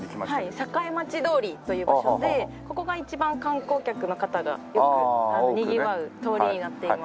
堺町通りという場所でここが一番観光客の方がよくにぎわう通りになっています。